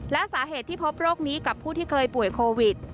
และสาเหตุที่พบโรคนี้กับผู้ที่เคยป่วยโควิด